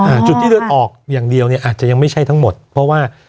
จุดที่เลือดออกอย่างเดียวเนี่ยอาจจะยังไม่ใช่ทั้งหมดเพราะว่า